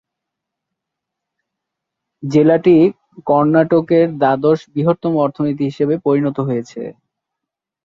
জেলাটি কর্ণাটকের দ্বাদশ বৃহত্তম অর্থনীতি হিসাবে পরিণত হয়েছে।